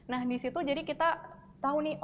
nah disitu jadi kita tahu nih